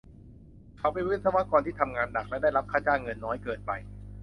เขาเป็นวิศวกรที่ทำงานหนักและได้รับค่าจ้างเงินน้อยเกินไป